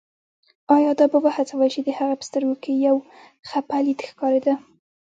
ایا دا به وهڅول شي، د هغې په سترګو کې یو خپه لید ښکارېده.